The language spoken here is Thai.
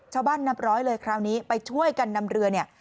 นับร้อยเลยคราวนี้ไปช่วยกันนำเรือเนี่ย